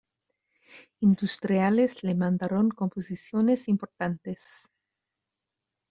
Industriales le mandaron composiciones importantes.